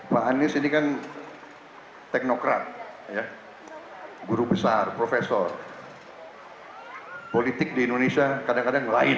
pak anies ini kan teknokrat guru besar profesor politik di indonesia kadang kadang lain